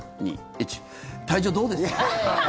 体調どうですか？